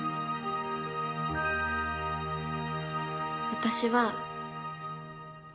私は。